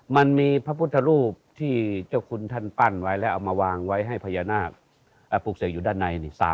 มันมีพระพุทธรูปที่เจ้าคุณท่านปั้นไว้แล้วเอามาวางไว้ให้พญานาคปลูกเสกอยู่ด้านใน